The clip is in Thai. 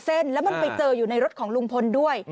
เส้นแล้วมันไปเจออยู่ในรถของลุงพลด้วย